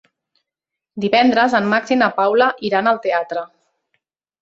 Divendres en Max i na Paula iran al teatre.